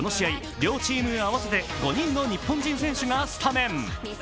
両チーム合わせて５人の日本人選手がスタメン。